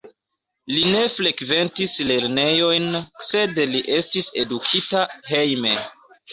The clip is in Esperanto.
Li ne frekventis lernejojn, sed li estis edukita hejme.